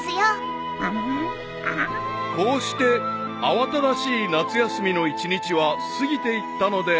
［こうして慌ただしい夏休みの一日は過ぎていったのであった］